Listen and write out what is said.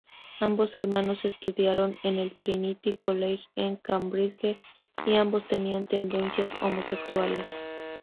Ambos hermanos estudiaron en el Trinity College en Cambridge y ambos tenían tendencias homosexuales.